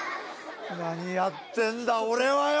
何やってんだ俺はよ。